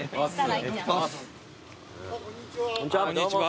あっこんにちは。